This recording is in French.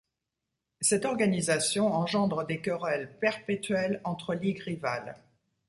Cette organisation engendre des querelles perpétuelles entre ligues rivales.